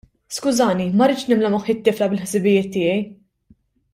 Skużani, ma ridtx nimla moħħ it-tifla bil-ħsibijiet tiegħi.